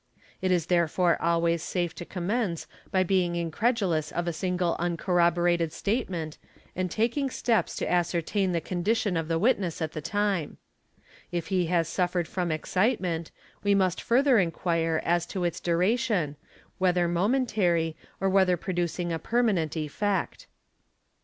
It is therefore always safe to commence b being incredulous of a single uncorroborated statement and taking step / SPECIAL CONSIDERATIONS—STRONG FEELING 81 to ascertain the condition of the witness at the time. If he has suffered from excitement, we must further enquire as to its duration, whether momentary or whether producing a permanent effect.